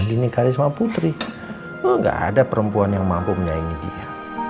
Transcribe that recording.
ini karisma putri enggak ada perempuan yang mampu menyaingi dia